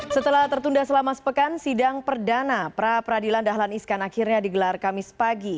setelah tertunda selama sepekan sidang perdana pra peradilan dahlan iskan akhirnya digelar kamis pagi